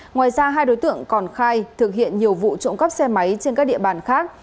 ngoài ra hai đối tượng còn khai thực hiện nhiều vụ trộm cắp xe máy trên các địa bàn khác